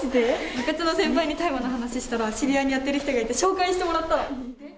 部活の先輩に大麻の話したら、知り合いにやってる人がいて、紹介してもらったの。